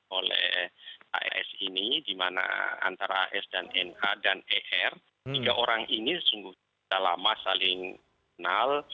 oleh aas ini di mana antara aas dan na dan er tiga orang ini sungguh sudah lama saling kenal